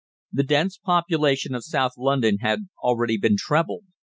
The dense population of South London had already been trebled.